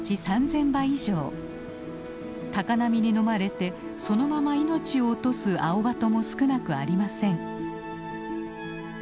高波にのまれてそのまま命を落とすアオバトも少なくありません。